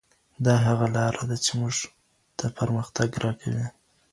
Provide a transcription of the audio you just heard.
دا هغه لاره ده چي موږ ته پرمختګ راکوي.